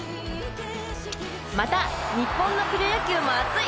また日本のプロ野球も熱い！